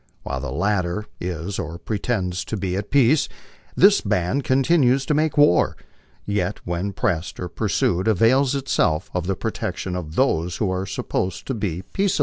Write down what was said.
While tho latter is or pretends to be at peace, this band continues to make war, yet when pressed or pursued avails itself of the protection ot those who are supposed to be peaceable.